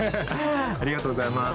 ありがとうございます。